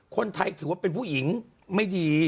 คนไทยถือว่าเป็นผู้หญิงไม่ดี